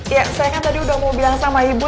ya saya kan tadi udah mau bilang sama ibu